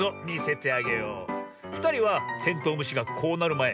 ふたりはテントウムシがこうなるまえ